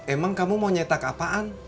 emang kamu mau nyetak apaan